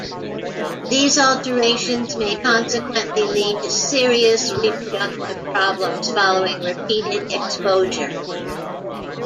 These alterations may consequently lead to serious reproductive problems following repeated exposure.